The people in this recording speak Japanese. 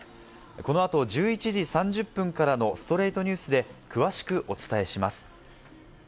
この後、１１時３０分からの『ストレイトニュース』で詳しくお伝えします。